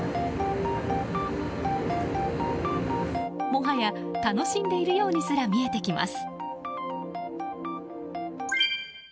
もはや、楽しんでいるようにすら見えてきます。